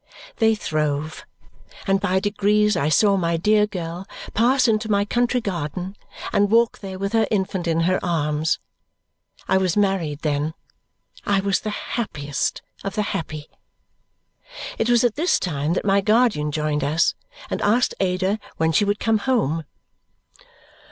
They throve, and by degrees I saw my dear girl pass into my country garden and walk there with her infant in her arms. I was married then. I was the happiest of the happy. It was at this time that my guardian joined us and asked Ada when she would come home.